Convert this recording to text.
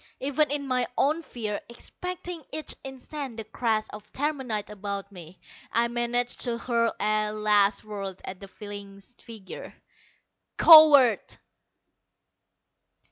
Even in my own fear, expecting each instant the crash of terminite about me, I managed to hurl a last word at the fleeing figure. "Coward!"